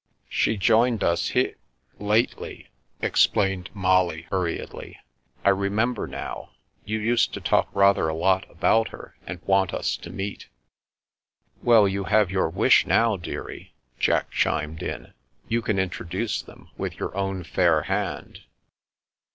" She joined us h — ^lately," explained Molly hur riedly. " I remember now. You used to talk rather a lot about her and want us to meet." " Well, you have your wish now, dearie," Jack chimed in. " You can introduce them with your own fair hand."